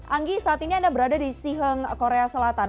anggi saat ini anda berada di siheng korea selatan